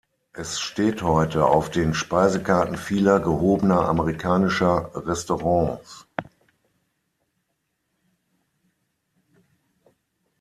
Es steht heute auf den Speisekarten vieler gehobener amerikanischer Restaurants.